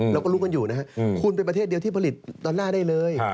เราก็รู้กันอยู่นะครับคุณเป็นประเทศเดียวที่ผลิตดอลลาร์ได้เลย